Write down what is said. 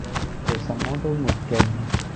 做什麼都沒勁